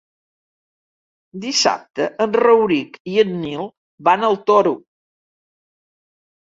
Dissabte en Rauric i en Nil van al Toro.